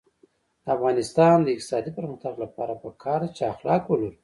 د افغانستان د اقتصادي پرمختګ لپاره پکار ده چې اخلاق ولرو.